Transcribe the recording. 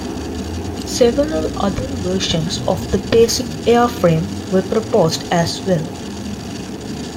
Several other versions of the basic airframe were proposed as well.